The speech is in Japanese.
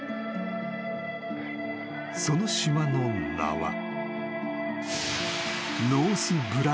［その島の名は］